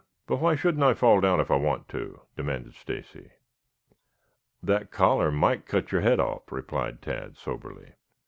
But why shouldn't I fall down if I want to?" demanded Stacy. "That collar might cut your head off," replied Tad soberly.